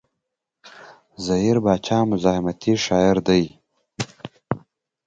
زهير باچا مزاحمتي شاعر دی.